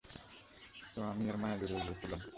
তো, আমি এর মায়ায় জড়িয়ে গিয়েছিলাম।